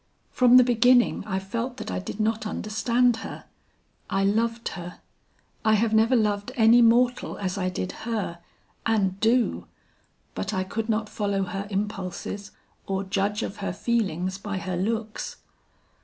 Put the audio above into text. From the beginning I felt that I did not understand her. I loved her; I have never loved any mortal as I did her and do; but I could not follow her impulses or judge of her feelings by her looks.